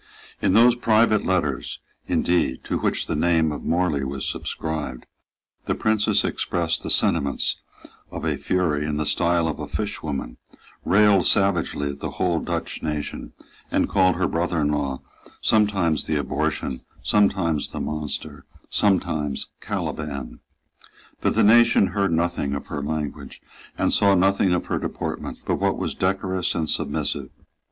In those private letters, indeed, to which the name of Morley was subscribed, the Princess expressed the sentiments of a fury in the style of a fishwoman, railed savagely at the whole Dutch nation, and called her brother in law sometimes the abortion, sometimes the monster, sometimes Caliban. But the nation heard nothing of her language and saw nothing of her deportment but what was decorous and submissive.